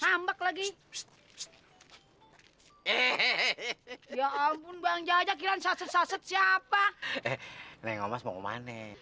ngambak lagi eh ya ampun bang jajakiran saset saset siapa nengok mas mau kemana